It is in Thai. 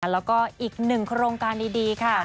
แล้วก็อีกหนึ่งโครงการดีค่ะ